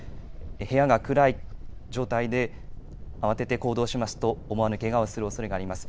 部屋が暗い状態で慌てて行動しますと、思わぬけがをするおそれがあります。